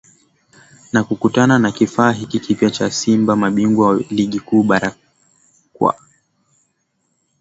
na kukutana na kifaa hiki kipya cha Simba Mabingwa wa Ligi Kuu Bara kwa